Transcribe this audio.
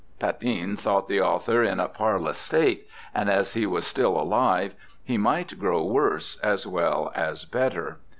Patin thought the author in a parlous state, and as he was still alive he might grow worse as well as better.